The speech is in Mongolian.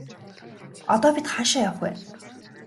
Одоо бид хаашаа явах вэ?